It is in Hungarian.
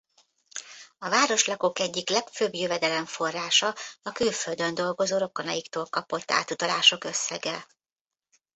A városlakók egyik legfőbb jövedelemforrása a külföldön dolgozó rokonaiktól kapott átutalások összege.